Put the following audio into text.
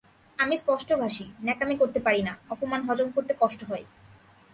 আমি স্পষ্টভাষী, ন্যাকামি করতে পারি না, অপমান হজম করতে কষ্ট হয়।